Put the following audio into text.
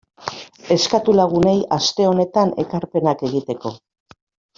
Eskatu lagunei aste honetan ekarpenak egiteko.